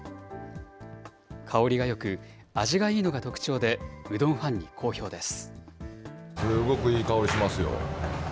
香りがよく、味がいいのが特長で、うどんファンに好評です。